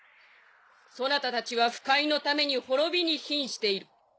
そなたたちは腐海のために滅びに瀕している。